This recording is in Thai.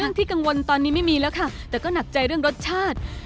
ที่กังวลตอนนี้ไม่มีแล้วค่ะแต่ก็หนักใจเรื่องรสชาติ